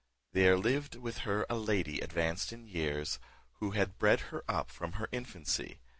There lived with her a lady advanced in years, who had bred her up from her infancy.